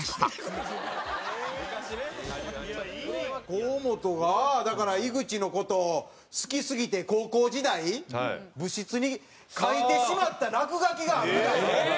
河本が井口の事を好きすぎて高校時代部室に書いてしまった落書きがあるみたいよ。